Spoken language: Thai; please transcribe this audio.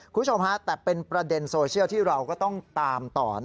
คุณผู้ชมฮะแต่เป็นประเด็นโซเชียลที่เราก็ต้องตามต่อ